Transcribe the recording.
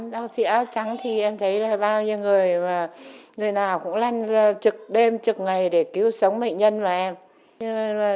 bác sĩ áo trắng thì em thấy là bao nhiêu người mà người nào cũng lăn trực đêm trực ngày để cứu sống bệnh nhân mà em